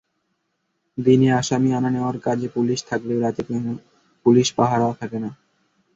দিনে আসামি আনা-নেওয়ার কাজে পুলিশ থাকলেও রাতে কোনো পুলিশ পাহারায় থাকে না।